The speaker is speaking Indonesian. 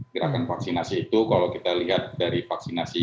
gerakan vaksinasi itu kalau kita lihat dari vaksinasi